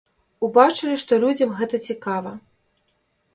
Убачылі, што людзям гэта цікава.